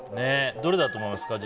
どれだと思います？